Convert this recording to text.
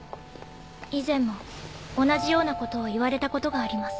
以前も同じようなことを言われたことがあります。